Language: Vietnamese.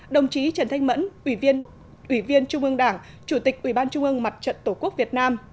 đồng chí trần thanh mẫn ủy viên trung ương đảng chủ tịch ủy ban trung ương mặt trận tổ quốc việt nam